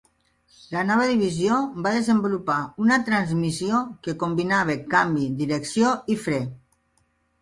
La nova divisió va desenvolupar una transmissió que combinava canvi, direcció i fre.